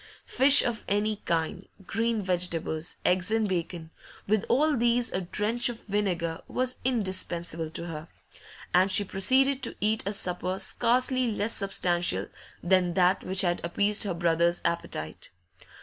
Fish of any kind, green vegetables, eggs and bacon, with all these a drench of vinegar was indispensable to her. And she proceeded to eat a supper scarcely less substantial than that which had appeased her brother's appetite.